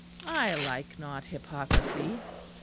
I like not hypocrisy."